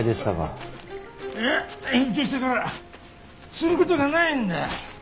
いや隠居してからすることがないんだ。